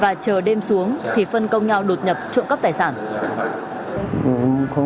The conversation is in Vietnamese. và chờ đêm xuống thì phân công nhau đột nhập trộm cắp tài sản